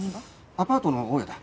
アパートの大家だ。